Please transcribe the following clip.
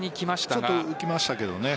ちょっと浮きましたけどね。